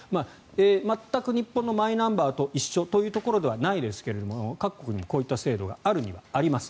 全く日本のマイナンバーと一緒というところでないですが各国にこういった制度はあるにはあります。